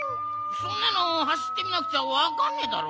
そんなのはしってみなくちゃわかんねえだろ。